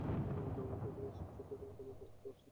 দুর্ভাগ্যবশত বাস্তব বিশ্বে এরকম কোনও পরীক্ষার অস্তিত্ব নেই।